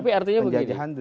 tapi artinya begini